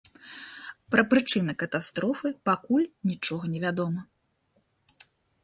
Пра прычыны катастрофы пакуль нічога невядома.